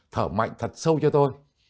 thở mạnh thật sâu cho tôi